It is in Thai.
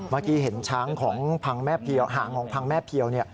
เมื่อกี้เห็นช้างของพังแม่เพียวหางของพังแม่เพียว